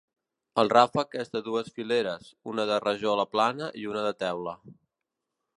El ràfec és de dues fileres, una de rajola plana i una de teula.